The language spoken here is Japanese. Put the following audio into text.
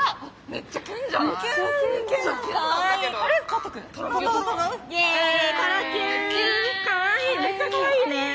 めっちゃかわいいね！